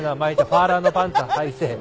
ファーラーのパンツはいて。